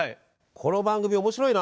この番組面白いな！